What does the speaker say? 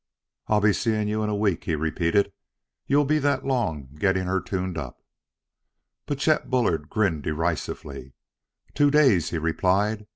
"I'll be seeing you in a week," he repeated. "You'll be that long getting her tuned up." But Chet Bullard grinned derisively. "Two days!" he replied.